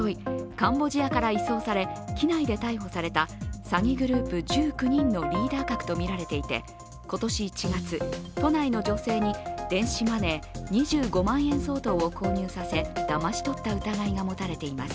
カンボジアから移送され、機内で逮捕された詐欺グループ１９人のリーダー格とみられていて、今年１月、都内の女性に電子マネー２５万円相当を購入させだまし取った疑いが持たれています。